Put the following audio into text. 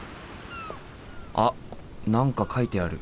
あっ何か書いてある。